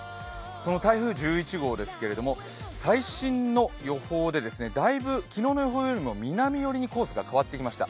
その台風１１号ですけど最新の予報で、だいぶ昨日の予報よりも南寄りにコースが変わってきました。